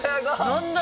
何だ？